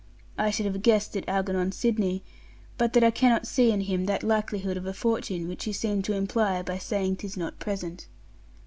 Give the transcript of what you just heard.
I should have guessed it Algernon Sydney, but that I cannot see in him that likelihood of a fortune which you seem to imply by saying 'tis not present.